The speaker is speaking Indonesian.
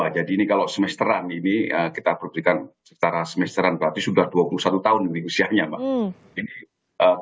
jadi ini kalau semesteran ini kita berberikan secara semesteran berarti sudah dua puluh satu tahun ini usianya pak